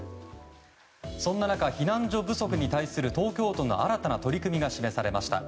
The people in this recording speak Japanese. そんな中、避難所不足に対する東京都の新たな取り組みが示されました。